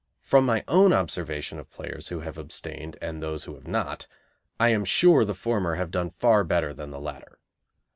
From my own observation of players who have abstained and those who have not, I am sure the former have done far better than the latter.